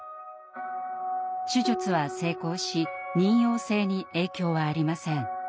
手術は成功し妊よう性に影響はありません。